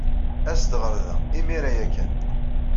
As-d ɣer da imir-a ya kan.